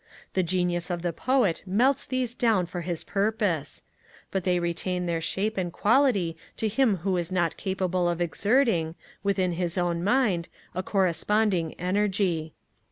The genius of the poet melts these down for his purpose; but they retain their shape and quality to him who is not capable of exerting, within his own mind, a corresponding energy.